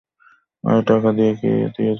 আর তাকে টাকা দিয়ে দিব।